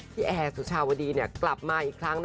พี่แอร์กลับมาอีกครั้ง